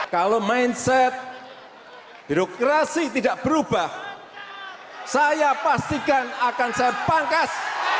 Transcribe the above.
kalau mindset birokrasi tidak berubah saya pastikan akan saya pangkas